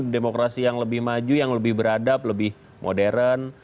demokrasi yang lebih maju yang lebih beradab lebih modern